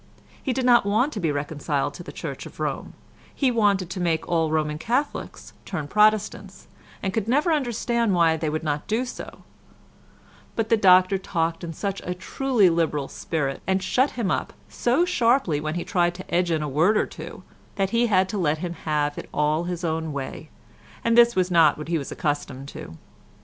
He did not want to be reconciled to the Church of Rome; he wanted to make all Roman Catholics turn Protestants, and could never understand why they would not do so; but the Doctor talked in such a truly liberal spirit, and shut him up so sharply when he tried to edge in a word or two, that he had to let him have it all his own way, and this was not what he was accustomed to.